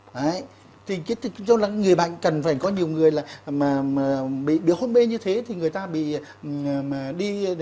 đấy thì cái thở là người bệnh cần phải có nhiều người là mà bị đứa hôn mê như thế thì người ta bị đi